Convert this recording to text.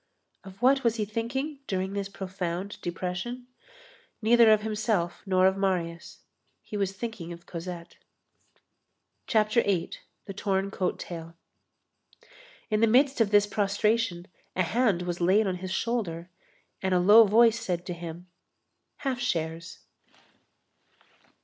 Of what was he thinking during this profound depression? Neither of himself nor of Marius. He was thinking of Cosette. CHAPTER VIII—THE TORN COAT TAIL In the midst of this prostration, a hand was laid on his shoulder, and a low voice said to him: "Half shares."